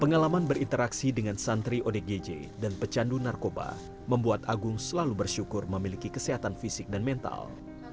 pengalaman berinteraksi dengan santri odgj dan pecandu narkoba membuat agung selalu bersyukur memiliki kesehatan fisik dan mental